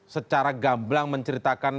secara gamblang menceritakan